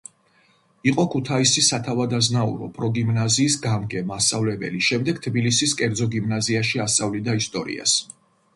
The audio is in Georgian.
იყო ქუთაისის სათავადაზნაური პროგიმნაზიის გამგე–მასწავლებელი, შემდეგ თბილისის კერძო გიმნაზიაში ასწავლიდა ისტორიას.